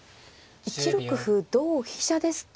１六歩同飛車ですと。